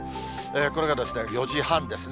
これがですね、４時半ですね。